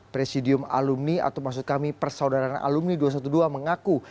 presidium alumni atau maksud kami persaudaraan alumni dua ratus dua belas mengaku